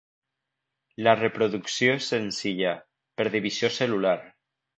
La reproducció és senzilla, per divisió cel·lular.